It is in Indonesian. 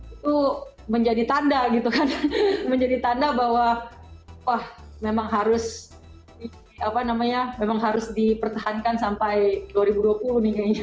itu menjadi tanda gitu kan menjadi tanda bahwa wah memang harus dipertahankan sampai dua ribu dua puluh nih kayaknya